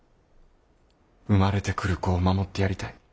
生まれてくる子を守ってやりたい。